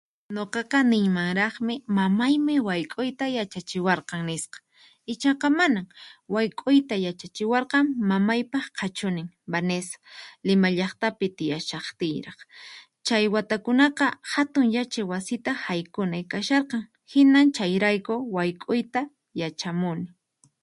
Nuqaqa niymanraqmi mamaymi wayk'uyta yachachiwarqan nisqa ichaqa manan, wayk'uyta yachachiwarqan mamaypaq qhachunin Vanesa Lima llaqtapi tiyashaqtiyraq. Chay watakunaqa hatun yachay wasita haykunay kasharqan hinan chayrayku wayk'uyta yachamuni.